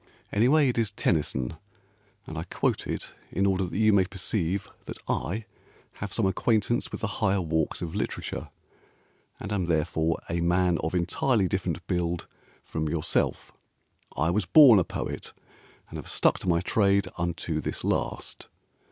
Anyway it is Tennyson, And I quote it In order that you may perceive That I have some acquaintance With the higher walks of Literature, And am therefore a man Of entirely different build from yourself. I was born a poet, And have stuck to my trade Unto this last.